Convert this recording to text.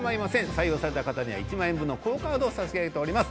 採用された方には１万円分のＱＵＯカードを差し上げております